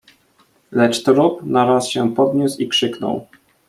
"Lecz trup naraz się podniósł i krzyknął."